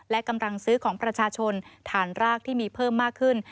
และกำลังซื้อของประชาชนฐานรากที่มีเพิ่มมากขึ้น